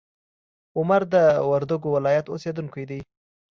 عمر د وردګو ولایت اوسیدونکی دی.